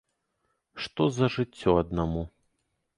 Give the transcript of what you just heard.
Што за жыццё аднаму?